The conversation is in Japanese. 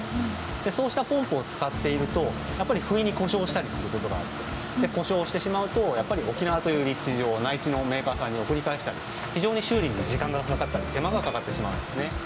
そうしたポンプを使っているとやっぱりふいに故障したりすることがあって故障してしまうとやっぱり沖縄という立地上内地のメーカーさんに送り返したり非常に修理に時間がかかったり手間がかかってしまうんですね。